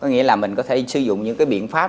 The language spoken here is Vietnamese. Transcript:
có nghĩa là mình có thể sử dụng những cái biện pháp